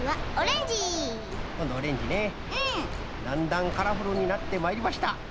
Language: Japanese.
だんだんカラフルになってまいりました。